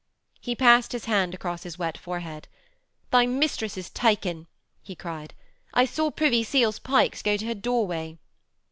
He passed his hand across his wet forehead. 'Thy mistress is taken,' he cried. 'I saw Privy Seal's pikes go to her doorway.'